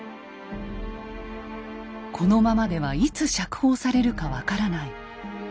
このままではいつ釈放されるか分からない。